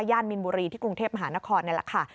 มินบุรีที่กรุงเทพมหานครนี่แหละค่ะ